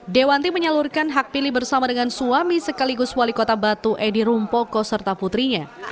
dewanti menyalurkan hak pilih bersama dengan suami sekaligus wali kota batu edi rumpoko serta putrinya